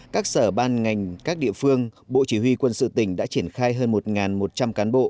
các sở ban ngành các địa phương bộ chỉ huy quân sự tỉnh đã triển khai hơn một một trăm linh cán bộ